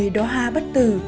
một mươi đóa bất tử